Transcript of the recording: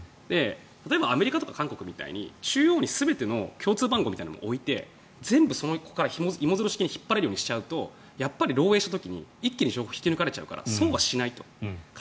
例えばアメリカとか韓国みたいに中央に共通番号を置いて全部、そこから芋づる式に引っ張られるようにしちゃうと漏えいした時に一気に情報が引き抜かれちゃうからそうはしないと。